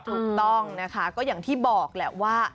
ถูกต้องนะคะก็อย่างที่บอกแหละว่า